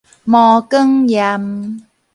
毛管炎